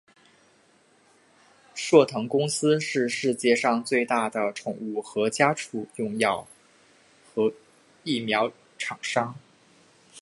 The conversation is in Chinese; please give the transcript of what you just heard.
硕腾公司是世界上最大的宠物和家畜用药品和疫苗厂商。